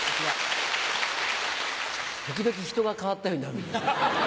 時々人が変わったようになるんですよね。